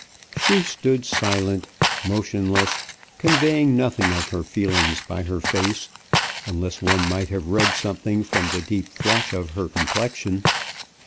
She stood silent, motionless, conveying nothing of her feelings by her face, unless one might have read something from the deep flush of her complexion.